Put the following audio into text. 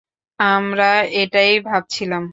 আমরা এটাই ভাবছিলাম।